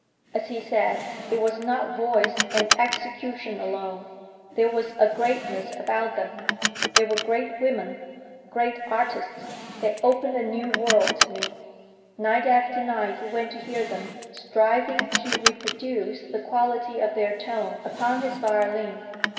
As he said, "It was not voice and execution alone. There was a greatness about them. They were great women, great artists. They opened a new world to me." Night after night he went to hear them, striving to reproduce the quality of their tone upon his violin.